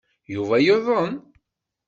Yuba yuḍen.